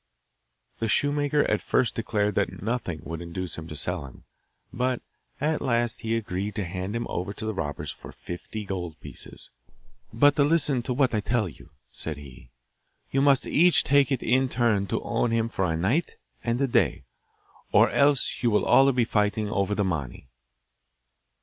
The shoemaker at first declared that nothing would induce him to sell him, but at last he agreed to hand him over to the robbers for fifty gold pieces. 'But listen to what I tell you,' said he. 'You must each take it in turn to own him for a night and a day, or else you will all be fighting over the money.